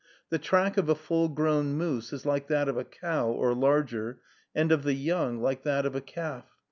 The track of a full grown moose is like that of a cow, or larger, and of the young, like that of a calf.